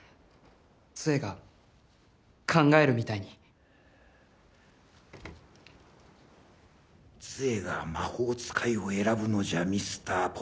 杖が考えるみたいに杖が魔法使いを選ぶのじゃミスター・ポッター